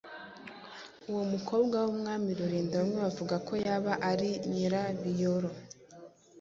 Uwo mukobwa w’umwami Ruhinda bamwe bavuga ko yaba ari Nyirabiyoro